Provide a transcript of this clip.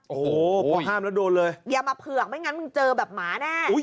โอ้โหพอห้ามแล้วโดนเลยอย่ามาเผือกไม่งั้นมึงเจอแบบหมาแน่